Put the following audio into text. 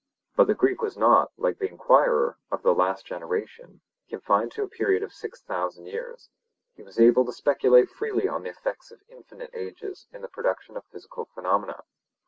But the Greek was not, like the enquirer of the last generation, confined to a period of six thousand years; he was able to speculate freely on the effects of infinite ages in the production of physical phenomena.